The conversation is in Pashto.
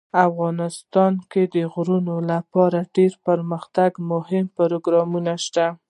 افغانستان کې د غزني لپاره ډیر دپرمختیا مهم پروګرامونه شته دي.